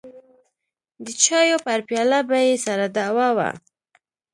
د چايو پر پياله به يې سره دعوه وه.